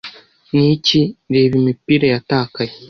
Niki Reba imipira yatakaye